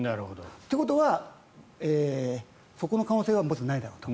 ということは、そこの可能性はまずないだろうと。